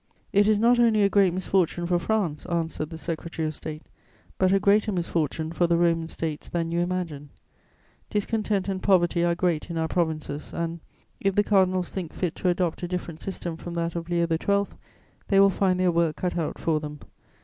"'It is not only a great misfortune for France,' answered the Secretary of State, 'but a greater misfortune for the Roman States than you imagine. Discontent and poverty are great in our provinces and, if the cardinals think fit to adopt a different system from that of Leo XII., they will find their work cut out for them.